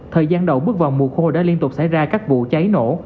thời gian đầu bước vào mùa khô đã liên tục xảy ra các vụ cháy nổ